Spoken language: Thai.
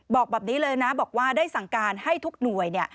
บอกแบบนี้เลยนะบอกว่าได้สั่งการให้ทุกหน่วย